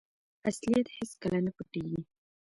اصلیت هیڅکله نه پټیږي.